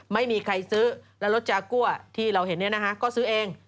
ไม่มีใครซื้อแล้วรถจากัวที่เราเห็นก็ซื้อเอง